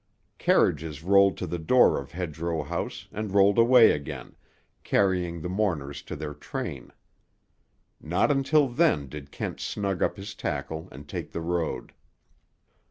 Carriages rolled to the door of Hedgerow House, and rolled away again, carrying the mourners to their train. Not until then did Kent snug up his tackle and take the road.